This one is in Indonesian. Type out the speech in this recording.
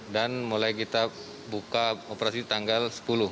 dan mulai kita buka operasi tanggal sepuluh